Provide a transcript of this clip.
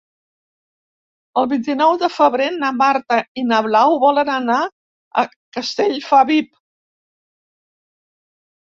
El vint-i-nou de febrer na Marta i na Blau volen anar a Castellfabib.